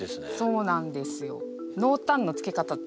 そうなんですよ。